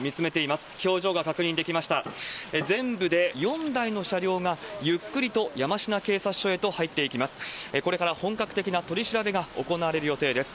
全部で４台の車両が、ゆっくりと山科警察署へと入っていきます。